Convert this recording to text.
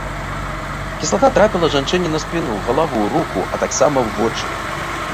Кіслата трапіла жанчыне на спіну, галаву, руку, а таксама ў вочы.